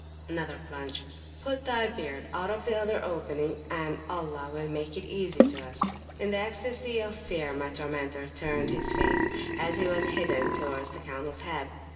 (another plunge)put thy beard out of the other opening, and Allah will make it easy to us. In the ecstasy of fear my tormentor turned his face, as he was bidden, towards the camels head.